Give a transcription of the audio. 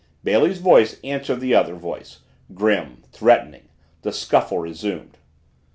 Bailey's voice answered the other voice, grim, threatening. The scuffle resumed.